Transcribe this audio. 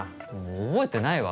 覚えてないわ。